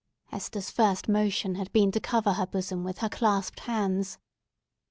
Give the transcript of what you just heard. Hester's first motion had been to cover her bosom with her clasped hands.